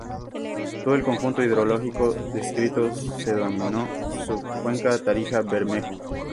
Todo el conjunto hidrológico descrito se denomina "Subcuenca Tarija-Bermejo".